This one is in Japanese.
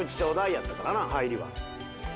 やったからな入りは。